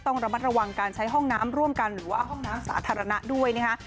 ต้องระมัดระวังการใช้ห้องน้ำร่วมกันหรือว่าห้องน้ำสาธารณะด้วยนะคะ